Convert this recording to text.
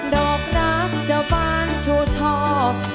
ดอกรักเจ้าบ้านโชว์ชอบ